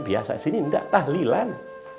biasa sini enggak tahlilan